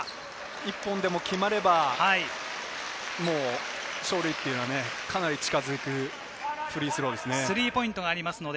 １本でも決まれば、勝利というのはかなり近づくフリースローですよね。